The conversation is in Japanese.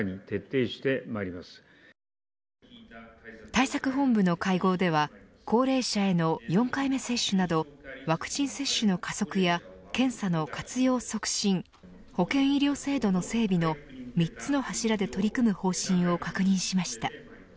対策本部の会合では高齢者への４回目接種などワクチン接種の加速や検査の活用促進保健医療制度の整備の３つの柱で取り組む方針を確認しました。